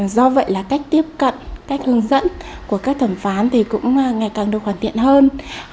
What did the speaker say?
do vậy là cách tiếp cận cách hướng dẫn của các thẩm phán thì cũng ngày càng được hoàn thiện hơn